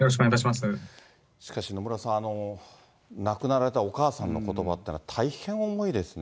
しかし野村さん、亡くなられたお母さんのことばっていうのは、大変重いですね。